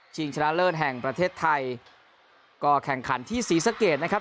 ชนะเลิศแห่งประเทศไทยก็แข่งขันที่ศรีสะเกดนะครับ